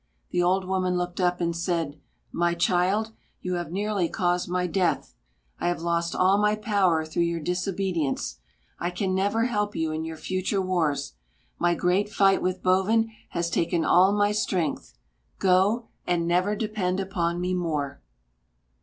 The old woman looked up and said: "My child, you have nearly caused my death. I have lost all my power through your disobedience. I can never help you in your future wars. My great fight with Bovin has taken all my strength; go and never depend upon me more."